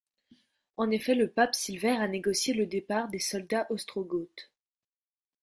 En effet, le pape Silvère a négocié le départ des soldats ostrogoths.